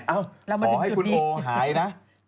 ขอให้คุณโอหายนะ